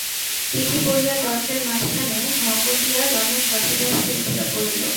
চিঠি পড়িয়া তর্কের মাঝখানে ভঙ্গ দিয়া রমেশ শশব্যস্তে উঠিয়া পড়িল।